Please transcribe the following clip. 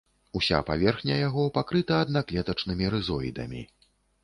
Уся паверхня яго пакрыта аднаклетачнымі рызоідамі.